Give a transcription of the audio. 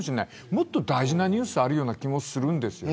もっと大事なニュースがあるような気もするんです。